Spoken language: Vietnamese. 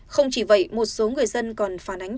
không chỉ vậy một số người dân còn phản ánh